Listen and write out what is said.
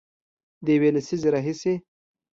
د یوې لسیزې راهیسې